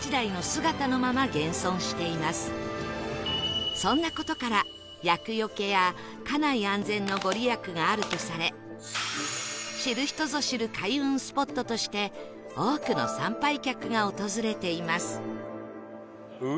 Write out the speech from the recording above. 今なおそんな事から厄よけや家内安全の御利益があるとされ知る人ぞ知る開運スポットとして多くの参拝客が訪れています